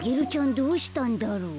どうしたんだろう？